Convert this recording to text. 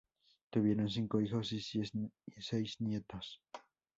Tuvieron cinco hijos y seis nietos.